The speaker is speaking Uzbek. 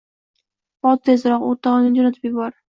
Bor tezroq, o‘rtog‘ingni jo‘natib yubor